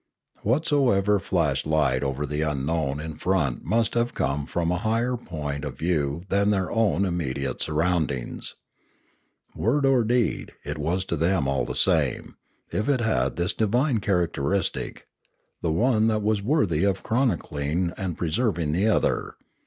Whatsoever flashed light over the unknowu in front must have come from a higher point of view than their own immediate surroundings. Word or deed, it was to them all the same, if it had this divine characteristic; the one was as worthy of chronicling and preserving as the other.